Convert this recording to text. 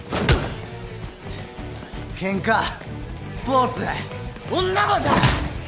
ケンカスポーツ女もだ！